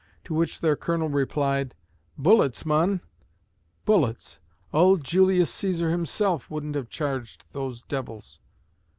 To which their colonel replied: "Bullets, mon! bullets! Auld Julius Caesar himself wouldn't have charged those devils."